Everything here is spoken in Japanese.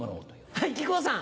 はい木久扇さん。